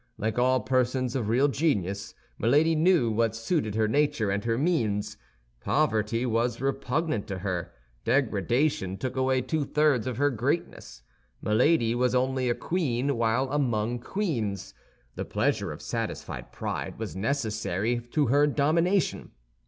Like all persons of real genius, Milady knew what suited her nature and her means. Poverty was repugnant to her; degradation took away two thirds of her greatness. Milady was only a queen while among queens. The pleasure of satisfied pride was necessary to her domination.